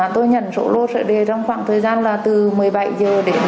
tôi nhận số lô sẽ đề trong khoảng thời gian là từ một mươi bảy h đến một mươi hai h